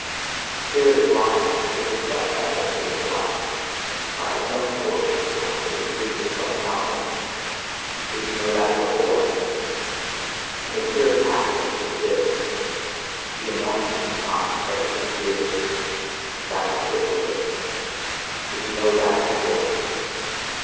Spirit is life which itself cutteth into life: by its own torture doth it increase its own knowledge, did ye know that before? And the spirit's happiness is this: to be anointed and consecrated with tears as a sacrificial victim, did ye know that before?